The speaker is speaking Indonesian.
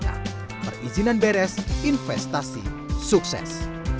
bahkan di sisi sumber